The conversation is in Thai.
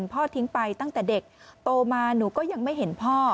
พ่อทิ้งไปตั้งแต่เด็กโตมาหนูก็ยังไม่เห็นพ่อ